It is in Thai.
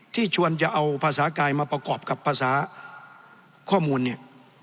ชวนจะเอาภาษากายมาประกอบกับภาษาข้อมูลเนี่ย